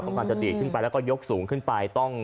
กำลังจะดีดขึ้นไปแล้วก็ยกสูงขึ้นไป